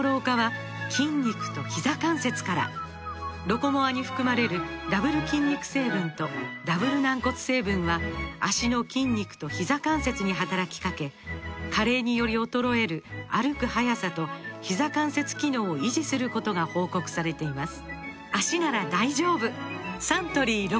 「ロコモア」に含まれるダブル筋肉成分とダブル軟骨成分は脚の筋肉とひざ関節に働きかけ加齢により衰える歩く速さとひざ関節機能を維持することが報告されています